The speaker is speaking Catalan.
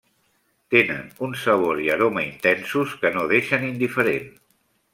Tenen un sabor i aroma intensos que no deixen indiferent.